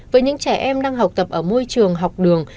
với những trẻ em đang học tập ở môi trường học đường